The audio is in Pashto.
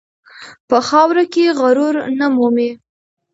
په خاوره کې غرور نه مومي.